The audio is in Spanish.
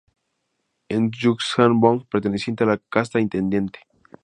Es un Yuuzhan vong perteneciente a la casta intendente.